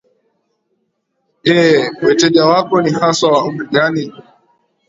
ee weteja wako ni haswa wa umri gani